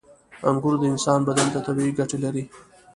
• انګور د انسان بدن ته طبیعي ګټې لري.